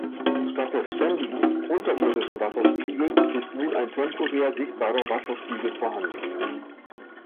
Statt des ständigen, unterirdischen Wasserspiegels ist nun ein temporär sichtbarer Wasserspiegel vorhanden.